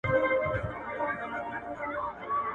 لښتې په نغري کې یو نوی وچ بوټی ور واچاوه.